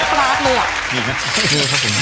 มันคือขนาดปีฟราสเลยอะ